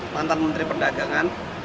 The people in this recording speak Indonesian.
mantan menteri perdagangan